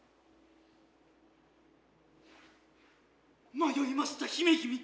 迷ひました姫君。